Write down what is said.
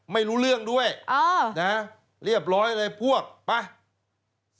ไม่รู้เรื่องด้วยอ่านะเรียบร้อยเลยพวกไป